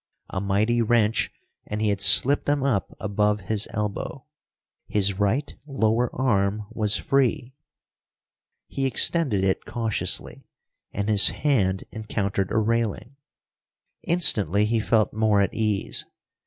A mighty wrench, and he had slipped them up above his elbow. His right lower arm was free. He extended it cautiously, and his hand encountered a railing. Instantly he felt more at ease.